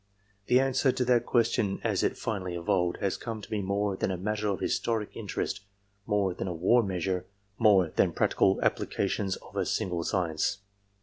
The answer to that question as it finally evolved, has come to be more than a matter of historic interest, more than a war measure, monsL than practical applications of a single science.